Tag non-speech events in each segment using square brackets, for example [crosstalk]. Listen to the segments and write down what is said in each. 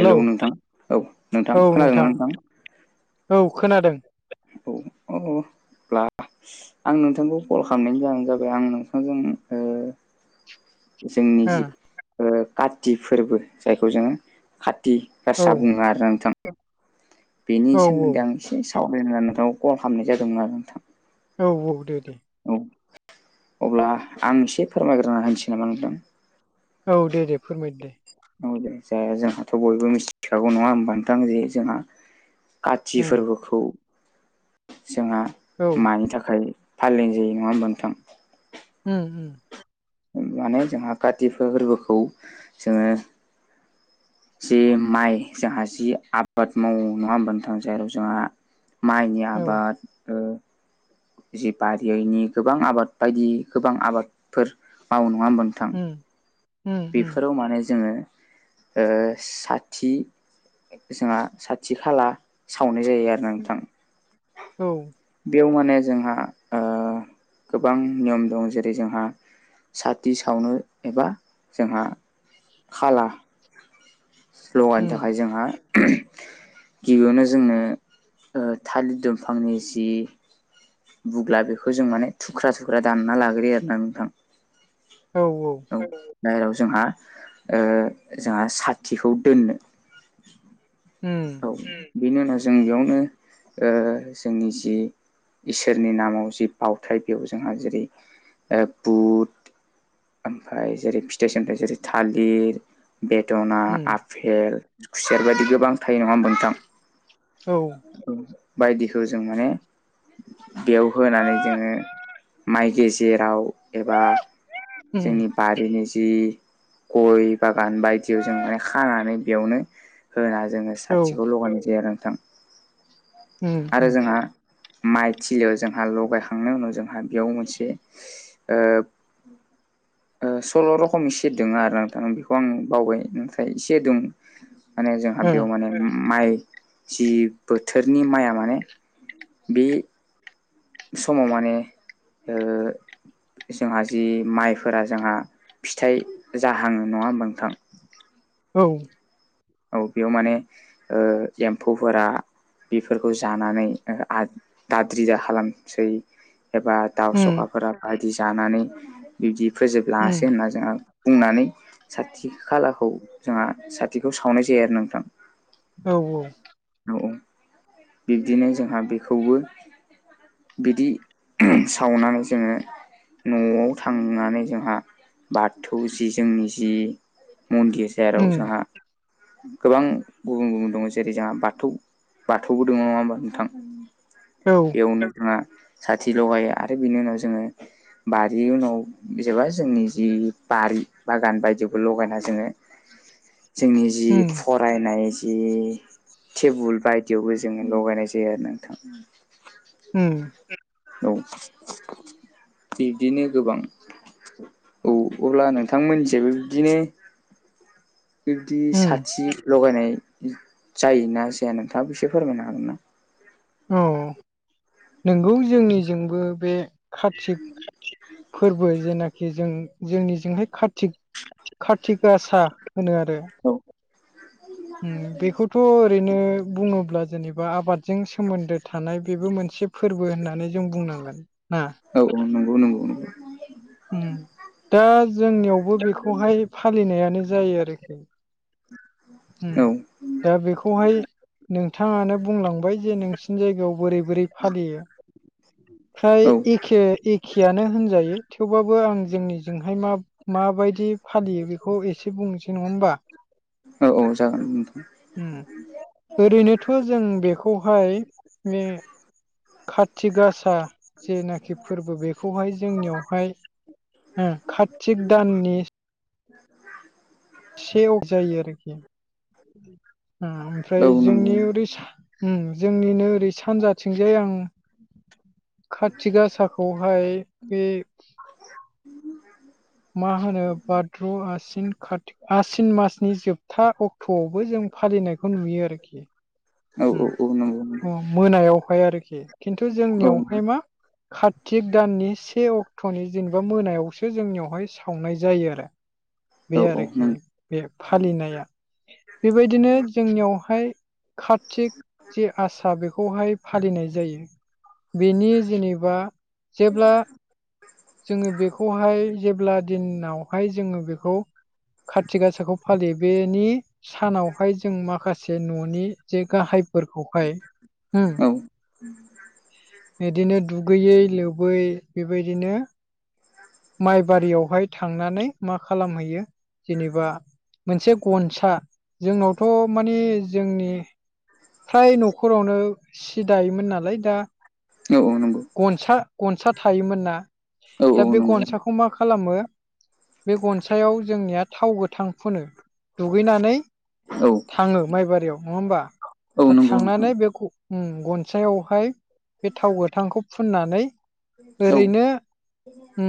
Hello नोंथां औ नोंथां खोनादों ना नोंथां? औ खोनादों। [unintelligible] आं नोंथांखौ कल खालामनायनि जानो जाबाय आं नोंथांजों जोंनि ओ जि काति फोरबो जायखौ जोङो खाथि औ भासा बुङो आरो आंथ बेनि औ औ सोमोन्दै आं एसे सावराय होना नोंथां कल खालामनाय जादोंमोन आरो नोंथां। औ औ दे दे औ अब्ला आं एसे फोरमायग्रोना होनोसै नामा नोंथां? औ दे दे फोरमायदो दे न जाया जोंहाथ' बयबो मिथिखागौ नङा होनोमबानोथां जे जोंहा काति उम फोरबोखौ जोंहा औ मानि थाखाय फालिनाय जायो नङा होनबा नोंथां? ओ ओ माने जोंहा काति फोरबोखौ जोङो जि माइ जोंहा जि आबाद मावो नङा होनबानो थाङ जेराव जोंहा माइनि औ आबाद ओ जि बारियनि गोबां आबाद बायदि गोबां आबादफोर मावनाय नङा होनोम नोंथां? [inaudible] उम उम बेफोराव माने जोङो ओ साथि जोंहा साथि खाला सावनाय जायो आरो। गोनांथां औ बेयाव माने जोंहा ओ गोबां नियम दं जेरै जोंहा साथि सावनो एबा जोंहा खाला स्लगानि उम थाखाय जोंहा गिबियावनो जोंनो ओ थालिर दंफांनि जि बुगब्ला बेखौ जों माने थुख्रा थुख्रा दानना लाग्रोयो आर ना नोंथां? औ औ औ बाहेराव जोंहा जोंहा साथिखौ दोननो उम औ बेनि उनाव जों बेयावनो जोंनि जि इसोरनि नामाव जि बावथाय बेयाव जोंहा जेरै ओ बुध ओमफ्राय जेरै फिथाइ सामथाइ जेरै थालिर बेदना उम आफपेल खुसेर बायदि गोबां थायो नङा होनबा नोंथां? औ बायदिखौ जों माने बेयाव होनानै जोङो माइ गेजेराव एबा उम जोंनि बारिनि जि गय बागान बायदियाव जों माने खानानै बेयावनो होना जोङो ओ औ साथिखौ लगायनाय जायो आरो नोंथां उम उम आरो जोंहा माइ थिलियाव जोंहा लगायखांनायनि उनाव जोंहा बेयाव मोनसे ओ ओ सल' रखमनि स दङ आरो नोंथां बेखौ आं बावबाय नाथाय इसे दं माने जों बेयाव माने माइ जि बोथोरनि माइया माने बे समाव माने ओ जोंहा जि माइफोरा जोंहा फिथाइ जाहाङो नङा होमबा नोंथां? औ औ बेयाव माने ओ एम्फौफोरा बेफोरखौ जानानै दाद्रि दा खालामसै एबा दाउ उम औ सखाफोरा बायदि जानानै बिदि फोजोबलाङासै होनना जोंहा बुंनानै साथि खालाखौ जोंहा साथिखौ सावनाय जायो आरो नोंथां? औ औ औ औ बिब्दिनो जोंहा बेखौबो बिदि सावनानै जोङो न'आव थांनानै जोंहा बाथौ जि जोंनि जि मन्दिर जेराव जोंहा गोबां गुबुन गुबुन दङ जेरै जोंहा बाथौ बाथौ बाथौबो दङ नङा होनोमबा नोंथां? औ नो जोंहा साथि लगायो आरो बिनि उनाव जोङो बारि उनाव जबा जोंनि जि बारि बागान बायदिबो लगायना जोङो जोंनि जि उम फरायनाय जि टेबोल बायदियावबो जोङो लगायनाय जायो आरो नोंथां। उम औ बिब्दिनो गोबां। औ अब्ला नोंथांमोननिसिमबो बिदिनो बिबदि उम साथि लगायनाय जायोना जाया नोंथाङाो एसे फोरमायनो हागोन ना? औ नोंगौ जोंनिजोंबो बे कार्तिक फोरबो जेनाखि जों जोंनिजोंहाय कारति गासा होनो आरो। औ उम बेखौथ' ओरैनो बुङोब्ला जेनेबा आबादजों सोमोन्दो थानाय बेबो मोनसे फोरबो होननानै जों बुंनांगोन ना। औ औ नोंगौ नोंगौ नोंगौ। उम दा जोंनियावबो बेखौहाय फालिनायानो जायो आरोखि। उम औ दा बेखौहाय नोंथाङानो बुंलांबाय जे नोंसिनि जायगायाव बोरै बोरै फालियो। फ्राय औ इखे इख खेयानो होनजायो थेवबाबो आं जोंनिजोंहाय मा माबायदि फालियो बिखौ एसे बुंसै नङा होमबा? औ औ जागोन नोंथां उम ओरैनोथ' जों बेखौहाय मे कथिग गासा जेनाखि फोरबो बेखौहाय जोंनियावहाय हो कार्तिक दाननि [inaudible] से अक जायो आरोखि [inaudible] आ ओमफ्राय औ नंगौ जोंनि ओरै सा उम जोंनिनो रै सानजाथिंजाय आं काथिग गासाखौहाय बे [inaudible] मा होनो भाद्र' आसिन कातिक आसिन मासनि जोबथा अक थौआवबो जों फालिनायखौ नुयो आरोखि। औ औ उम औ नोंगौ नोंगौ। अ मोनायावहाय आरोखि खिन्थु औ जोंनियावहाय मा कार्तिक दाननि से अक्ट'नि जेनेबा मोनायावसो जोंनियावहाय सावनाय जायो आरो [inaudible] बे आरोखि। नंगौ बे फालिनाया बेबायदिनो जोंनियावहाय खाथ थिक जे आसा बेखौहाय फालिनाय जायो। बिनि जेनेबा जेब्ला जोङो बेखौहाय जेब्ला दिनावहाय जोङो बेखौ खाथि गासाखौ फालियो बेनि सानावहाय जों माखासे न'नि जे गाहायफोरखौहाय उम औ इदिनो दुगैयै लोबै बेबायदिनो माइ बारियावहाय थांनानै मा खालामहैयो जेनेबा मोनसे गनसा जोंनावथ' माने जोंनि फ्राय न'खरावनो सि दायोमोन नालाय दा औ औ नंगौ। गनसा गनसा थायोमोन ना औ औ नंगौ। खौ मा खालामो बे गनसायाव जोंनिया थाव गोथां फुनो दुगैनानै औ थाङो माइबारियाव नङा होमबा औ दा नंगौ नोंथां थांनानै बे ग उम गनसायावहाय बे थाव गोथांखौ फुननानै औ ओरैनो उ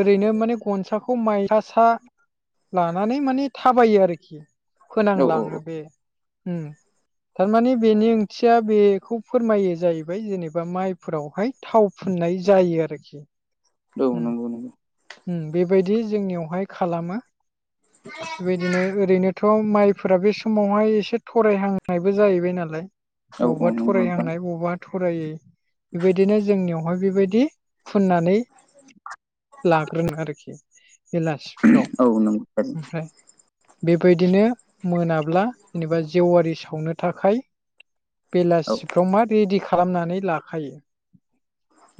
ओरैनो माने गनसाखौ माइ सा सा लानानै माने थाबायो आरोखि औ फोनांलाङो औ बे उम थारमाने बेनि ओंथिया बेखौ फोरमायो जाहैबाय जेनेबा माइ फोरावहाय थाव फुननाय जायो आरोखि। औ उम नोंगौ नोंगौ। उम बेबायदि जोंनियावहाय खालामो बेबायदिनो ओरैनोथ' थ' माइफोरा बे समावहाय एसे थरायहांनायबो जाहैबाय नालाय। औ औ बबावबा नंगौ नोंथां थरायहांनाय बबावबा थरायै बेबायदिनो जोंनियावहाय बेबायदि फुननानै [inaudible] लाग्रो [unintelligible] आरोखि। बिलास औ नंगौ बेबायदिनो मोनाब्ला जेनेबा जेवारि सावनो थाखाय [inaudible] बेलासिफ्राव मा रेडि खालामनानै लाखायो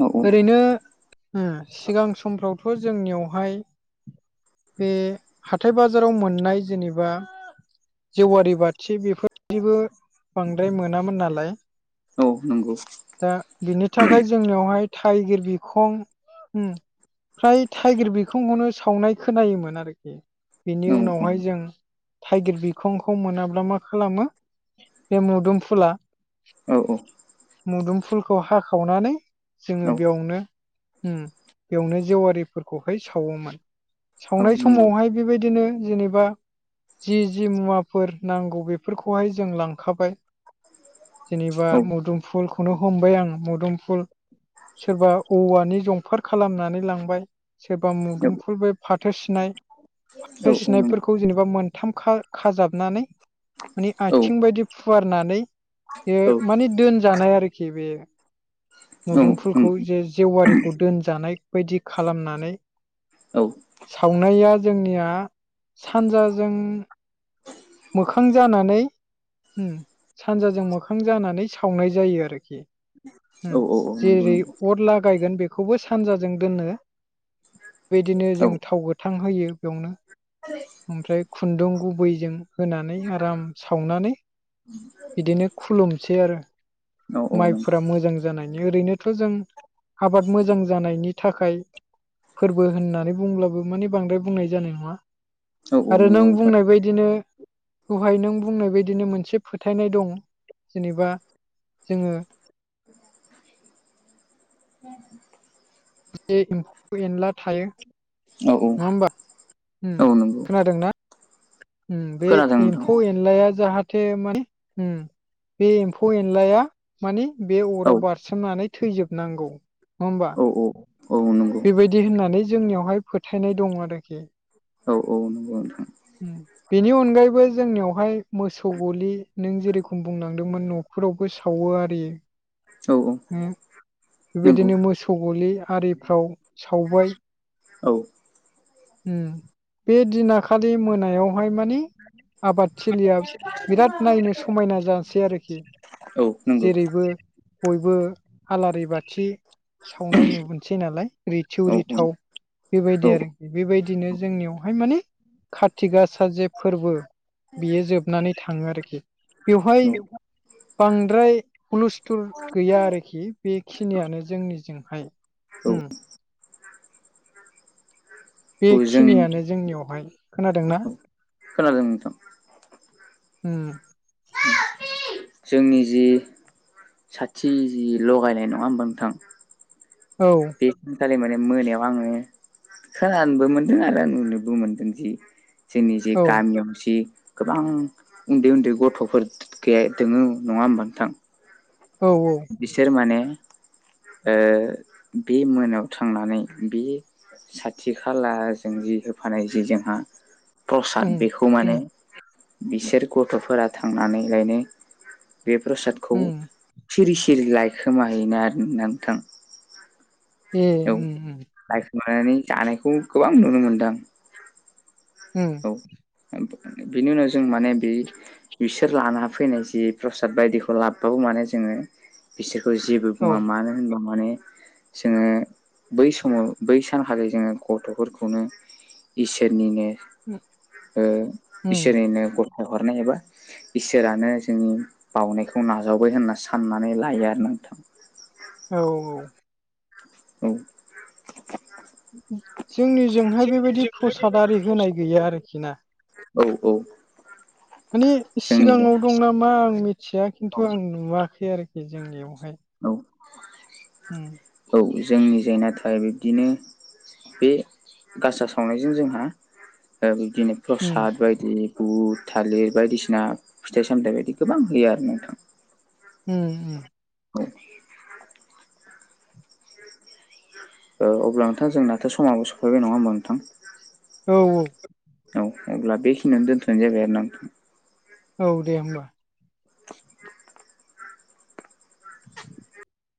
औ नंगौ औ औ नंगौ औ नंगौ औ नंगौ औ नंगौ औ ओरैनो सिगां समफ्रावथ' जोंनियावहाय बे हाथाय बाजाराव मोननाय जेनेबा जेवारि बाथि बेफोरदिबो बांद्राय मोनामोन नालाय। औ नंगौ दा बिनि थाखाय जोंनियावहाय थाइगिर बिखं फ्राय थटाइगिर बिखंखौनो सावनाय खोनायोमोन आरोखि। बेनि उनावहाय जों थाइगिर बिखंखौ मोनाब्ला मा खालामो बे मुदोम फुला औ औ मुदुम फुलखौ हाखावनानै जोङो बेयावनो बेवनो जेवारिफोरखौहाय सावोमोन। सावनाय समावहाय बेबायदिनो जेनेबा जि जि मुवाफोर नांगौ बेफोरखौहाय जों लांखाबाय। जेनेबा मुदुमफुलखौनो हमबाय आं मुदुमफुल सोरबा औवानि जंफोर खालामनानै लांबाय। सोरबा मुदुमफुल बे फाथो सिनाय फाथो सिनायफोरखौ जेनेबा मोन खथाम खाजाबनानै माने आथिं बायदि फुवारनानै बे माने दोनजानाय आरोखि। आरो बे मुदुम फुलखौ जे जेवारिखौ दोनजानाय बायदि खालामनानै औ सावनाया जोंनिया सानजाजों मोखां जानानै सानजाजों मोखां जानानै सावनाय जायो आरोखि। जेरै अरला गायगोन बेखौबो सानजाजों दोननो बिदिनो जों थाव गोथ थांहोयो बेयावनो [unintelligible] ओमफ्राय खुन्दुं गुबैजों होनानै आराम सावनानै बिदिनो खुलुमसै आरो। माइफोरा मोजां जानायनि ओरैनोथ' जों आबाद मोजां जानायनि थाखाय फोरबो होननानै बुंब्लाबो माने बांद्राय बुंनाय जानाय नङा। औ आरो नंगौ नों नोंथां बुंनाय बायदिनो बेहाय नों बुंनाय बायदिनो मोनसे फोथायनाय दं जेनेबा जोङो [inaudible] ए एम्फौ एनला थायो औ नङा होमबा औ औ नंगौ खोनादों ना? बे खोनादों नोंथां एम्फौ एन एनलाया जाहाथे माने बे एम्फौ एनलाया माने बे औ अराव बारसोमनानै थैजोबनांगौ नङा होमबा? औ औ नंगौ बेबायदि होननानै जोंनियावहाय फोथायनाय दं आरोखि। औ औ नंगौ नोंथां बेनि अनगायैबो जोंनियावहाय मोसौ गलि नों जेरेखम बुंलांदोंमोन न' फोरावबो सावो आरो। औ औ नंगौ बेबायदिनो मोसौ गलि आरिफ्राव सावबाय औ बे दिनाखालि मोनायावहाय मानिे आबादथििलिया बिराद नायनो समायना जासै आरोखि। औ नंगौ जेरैबो बयबो आलारि बाथि सावनाय नु मोनोनसै नालाय औ रिथिउरि औ थाव औ बेबायदि आरो बेबायदिनो जोंनियावहाय माने कारति गासा जे फोरबो बियो जोब नानै थाङो आरोखि बेवहाय बांद्राय हुलुस्थुर गैया आरोखि बेखिनियानो जोंनिजोंहाय औ ओ जों बेखिनियानो जोंनियावहाय खोनादोंना? खोनादों नोंथां। हम जोंनि जि साथि जि लगायनाय नङा होमबा नोंथां? औ [unintelligible] खालि माने मोनायाव आङो खोनानोबो मोनदों आरो नुनोबो मोनदों जि जोंनि जे औ गामियाव जि गोबां उन्दै उन्दै गथ'फोर गैया दोङो नङा होमबा नोंथां? औ औ बिसोर माने बे मोनायाव थांनानै बेयो साथि खालाजों जि होफानाय जि जोंहा उम प्रसाद बेखौ उम मोनो। बिसोर गथ'फोरा थांनानैलायनो बे प्रसाद उम सिरि सिरि लायखोमाहैनो आरो ना नोंथां? ए लाखनानै जानायखौ गोबां नुनो मोनो नोंथां। उम बिनि उनाव जों माने बे बिसोर लाना फैनाय जि प्रसाद बायदिखौ लाबोबावो माने जोङो बिसोरखौ जेबो औ बुङा मानो होनबा माने जोङो बै समाव बै सानखालिै जोङो गथ'फोरखौनो इसोरनिनो [inaudible] उम इसोरनिनो गथाय हरनाय एबा इसोरानो जोंनि बावउनायखौ नाजावबाय होनना साननानै लायो आरो नोंथां। औ औ औ जोंनिजोंहाय बेबायदि प्रसाद आरि होनाय गैया आरोखि ना। औ औ मानिे जोंनिजों सिगाङाव दं नामा आं मिथिया औ खिन्थु आं नुवाखै आरोखि जोंनियावहाय। औ हम औ जोंनि जायनाथाय बिब्दिनो बे गासा सावनायजों जोंहा ओ बिब्दिनो उम प्रसाद बायदि बुट थालिर बायदिसिना फिथाइ सामथाइ बायदि गोबां होयो आरो नोंथां। उम [inaudible] ओ अब्ला नोंथां जोंनाथ' समाबो सफैबाय नङा होमबा नोंथां? औ औ। औ होनब्ला बेखिनियावनो दोन्थ'नाय जाबाय आरो ना नोंथां। औ दे होमबा। [inaudible] [inaudible]